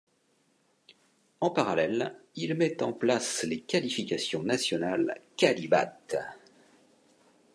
En parallèle, il met en place les qualifications nationales Qualibat.